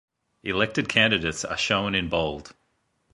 Elected candidates are shown in bold.